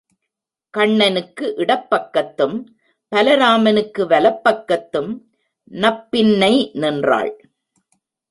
கண்ணனுக்கு இடப்பக்கத்தும் பலராமனுக்கு வலப் பக்கத்தும் நப்பின்னை நின்றாள்.